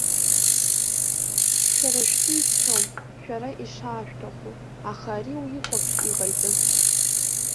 Шәара шәзы исҳәом, шәара ишаашәҭаху, аха ари уихәаԥш иҟаиҵаз?